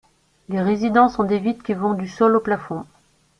Les résidences ont des vitres qui vont du sol au plafond.